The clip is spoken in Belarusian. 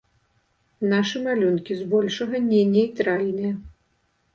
Нашы малюнкі, збольшага, не нейтральныя.